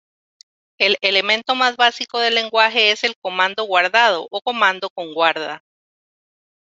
El elemento más básico del lenguaje es el "comando guardado" o "comando con guarda".